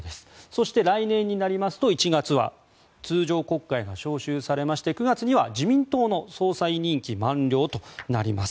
そして、来年になりますと１月は通常国会が召集されまして９月には自民党の総裁任期満了となります。